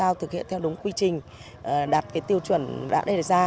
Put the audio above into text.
làm sao thực hiện theo đúng quy trình đạt cái tiêu chuẩn đã đề ra